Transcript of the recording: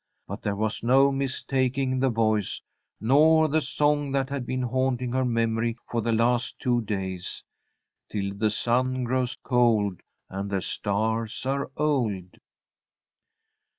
But there was no mistaking the voice, nor the song that had been haunting her memory for the last two days: "Till the sun grows cold, And the stars are old."